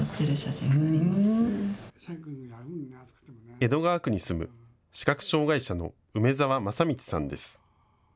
江戸川区に住む視覚障害者の梅澤正道さんです。